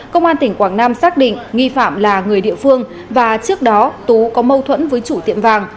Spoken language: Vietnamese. công an tỉnh quảng nam xác định nghi phạm là người địa phương và trước đó tú có mâu thuẫn với chủ tiệm vàng